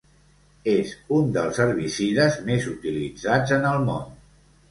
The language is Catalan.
És un dels herbicides més utilitzats en el món.